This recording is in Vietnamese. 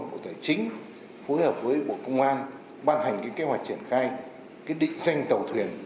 bộ tài chính phối hợp với bộ công an ban hành kế hoạch triển khai định danh tàu thuyền